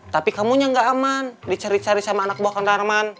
tapi kamu yang gak aman dicari cari sama anak buah kandarman